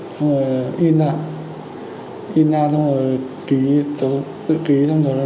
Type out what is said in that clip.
xong rồi in ra in ra xong rồi ký tự ký xong rồi đồng dấu vào